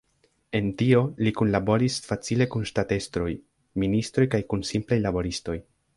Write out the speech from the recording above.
En tio li kunlaboris facile kun ŝtatestroj, ministroj kaj kun simplaj laboristoj.